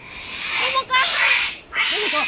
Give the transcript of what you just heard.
桃香！